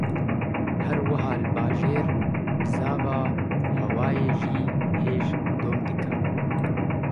Her wiha li bajêr, bizava hewayî jî hêj dom dike